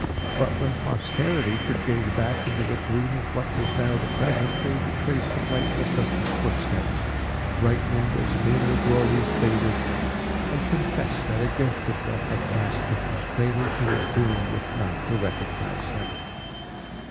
But, when posterity should gaze back into the gloom of what was now the present, they would trace the brightness of his footsteps, brightening as meaner glories faded, and confess, that a gifted one had passed from his cradle to his tomb, with none to recognize him.